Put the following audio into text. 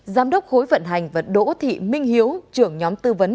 giám đốc khối vận hành và đỗ thị minh hiếu trưởng nhóm tư vấn